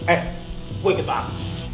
eh gue inget pak